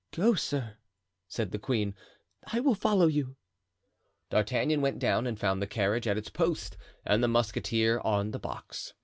"Go, sir," said the queen; "I will follow you." D'Artagnan went down and found the carriage at its post and the musketeer on the box.